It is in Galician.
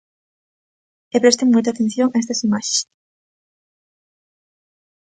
E presten moita atención a estas imaxes.